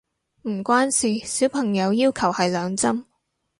唔關事，小朋友要求係兩針